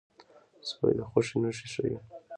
سپي د خوښۍ نښې ښيي.